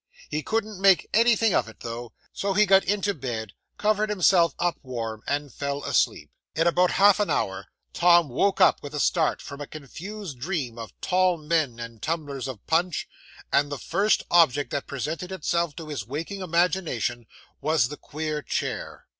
He couldn't make anything of it though, so he got into bed, covered himself up warm, and fell asleep. 'In about half an hour, Tom woke up with a start, from a confused dream of tall men and tumblers of punch; and the first object that presented itself to his waking imagination was the queer chair.